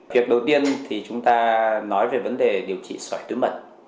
việc đầu tiên thì chúng ta nói về vấn đề điều trị sỏi mật